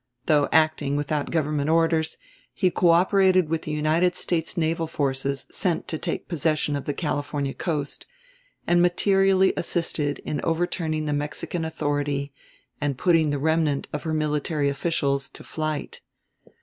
Though acting without Government orders, he cooperated with the United States naval forces sent to take possession of the California coast, and materially assisted in overturning the Mexican authority and putting the remnant of her military officials to flight.